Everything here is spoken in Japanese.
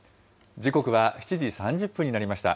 時刻は７時３０分になりました。